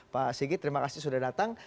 pak sigit terima kasih sudah datang